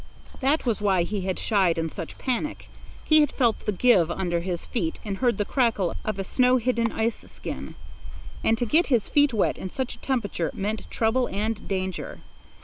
That was why he had shied in such panic. He had felt the give under his feet and heard the crackle of a snow hidden ice skin. And to get his feet wet in such a temperature meant trouble and danger.